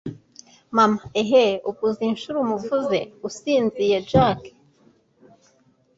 mama eheee! ubwo uzi inshuro umuvuze usinziye jac!